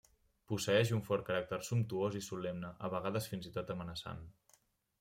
Posseeix un fort caràcter sumptuós i solemne, a vegades fins i tot amenaçant.